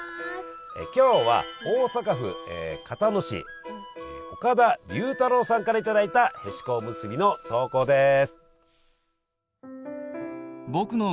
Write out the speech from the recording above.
今日は大阪府交野市岡田龍太郎さんから頂いたへしこおむすびの投稿です。